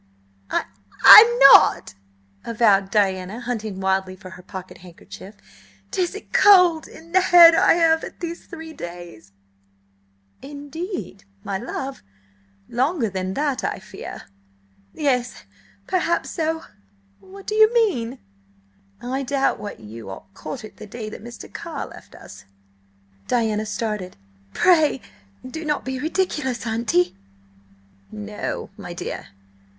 "I–I'm n not!" avowed Diana, hunting wildly for her pocket handkerchief. "'Tis a cold in the head I have had these three days." "Indeed, my love? Longer than that, I fear." "Yes–perhaps so–I— What do you mean?" "I doubt but what you caught it the day that Mr. Carr left us." Diana started. "P pray, do not be ridiculous, auntie!" "No, my dear.